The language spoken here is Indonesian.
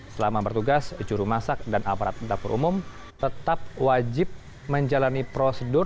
selama bertugas juru masak dan aparat dapur umum tetap wajib menjalani prosedur